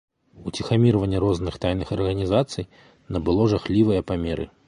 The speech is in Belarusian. Уціхамірванне розных тайных арганізацый набыло жахлівыя памеры.